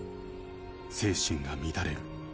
精神が乱れる。